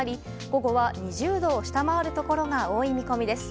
午後は２０度を下回るところが多い見込みです。